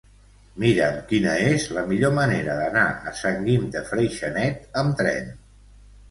Mira'm quina és la millor manera d'anar a Sant Guim de Freixenet amb tren.